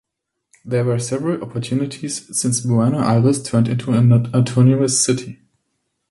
There were several opportunities since Buenos Aires turned into an autonomous city.